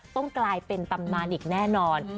ต้องกลายเป็นตำนานอีกแน่นอน